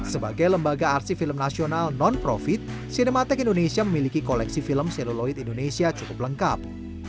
sebagai lembaga arsi film nasional non profit cinematek indonesia memiliki koleksi film seluloid indonesia cukup lengkap